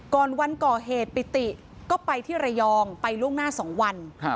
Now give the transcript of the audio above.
ก่อนวันก่อเหตุปิติก็ไปที่ระยองไปล่วงหน้า๒วัน